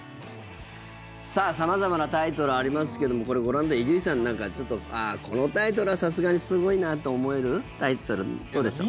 さあ、様々なタイトルありますけどもこれ、ご覧になって伊集院さんなんかちょっとこのタイトルはさすがにすごいなと思えるタイトル、どうでしょう。